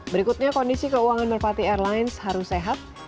berikutnya kondisi keuangan merpati airlines harus sehat